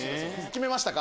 決めましたか？